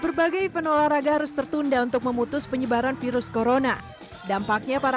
berbagai event olahraga harus tertunda untuk memutus penyebaran virus corona dampaknya para